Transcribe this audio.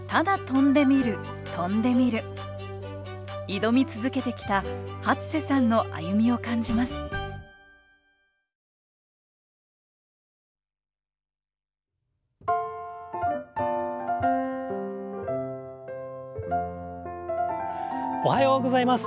挑み続けてきた初瀬さんの歩みを感じますおはようございます。